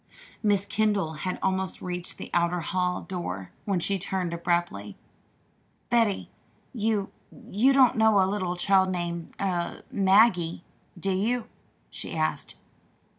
Miss Kendall had almost reached the outer hall door when she turned abruptly. "Betty, you you don't know a little child named er 'Maggie'; do you?" she asked.